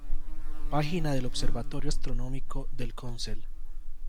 Página del observatorio astronómico del Consell